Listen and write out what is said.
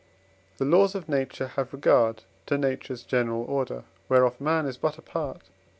The laws of nature have regard to nature's general order, whereof man is but a part.